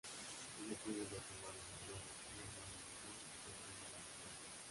Ella tiene dos hermanos mayores, una hermana mayor y cuatro hermanas menores.